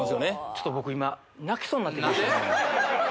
ちょっと僕今泣きそうになってきましたなんで？